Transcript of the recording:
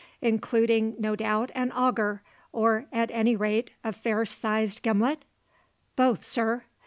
"Including, no doubt, an auger, or, at any rate, a fair sized gimlet?" "Both, sir."